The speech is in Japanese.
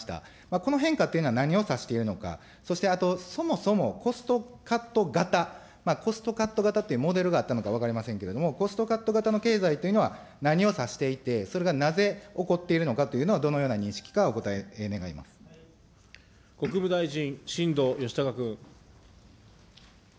この変化というのは、何を指して言うのか、そして、あと、そもそもコストカット型、コストカット型というモデルがあったのか分かりませんけども、コストカット型の経済というのは、何を指していて、それがなぜ、起こっているのかというのをどのような認識かお国務大臣、新藤義孝君。